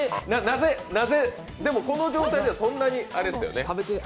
でもこの状態では、そんなにあれですよね。